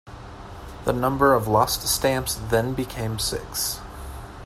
The number of lost stamps then became six.